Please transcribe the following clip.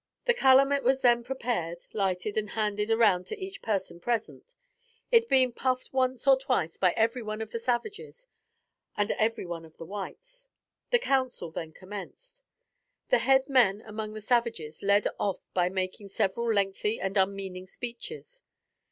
The Calumet was then prepared, lighted and handed around to each person present, it being puffed once or twice by every one of the savages and every one of the whites. The council then commenced. The head men among the savages led off by making several lengthy and unmeaning speeches.